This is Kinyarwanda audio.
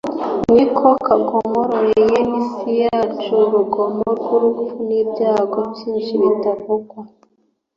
niko kagomororeye isi yacu urugomero rw’urupfu n’ibyago byinshi bitavugwa.